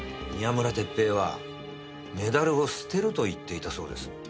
宮村哲平はメダルを捨てると言っていたそうです。